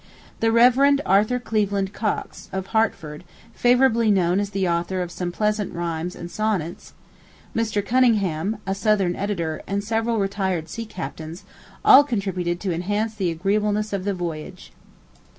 The Rev. Arthur Cleveland Cox, of Hartford, favorably known as the author of some pleasant rhymes and sonnets, Mr. Cunningham, a southern editor, and several retired sea captains, all contributed to enhance the agreeableness of the voyage.